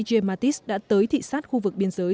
jim mattis đã tới thị sát khu vực biên giới